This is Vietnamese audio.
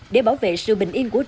để bảo vệ sự bình yên của rừng